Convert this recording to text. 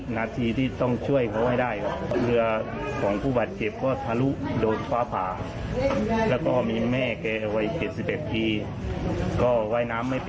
หน้าทีที่ต้องช่วยเขาให้ได้